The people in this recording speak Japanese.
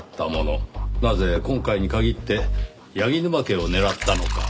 なぜ今回に限って柳沼家を狙ったのか？